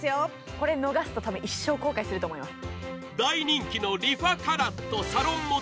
これ、逃すとたぶん一生後悔すると思います。